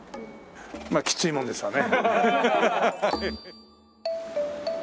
まっきついもんですわね。